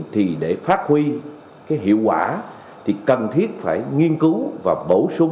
thì để phát huy cái hiệu quả thì cần thiết phải nghiên cứu và bổ sung